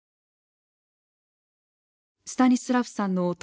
スタニスラフさんの弟